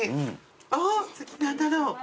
あっ次何だろう。